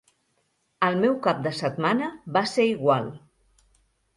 El meu cap de setmana va ser igual.